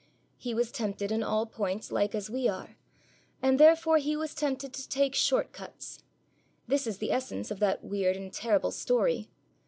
He was tempted in all points like as we are; and therefore He was tempted to take short cuts. This is the essence of that weird and terrible story.